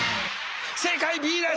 正解Ｂです！